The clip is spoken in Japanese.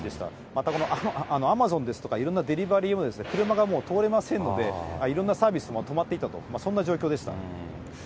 また、このアマゾンですとか、いろんなデリバリーも、車がもう通れませんので、いろんなサービスも止まっていたと、そんな状況でした。